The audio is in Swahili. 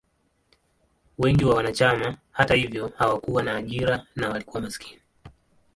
Wengi wa wanachama, hata hivyo, hawakuwa na ajira na walikuwa maskini.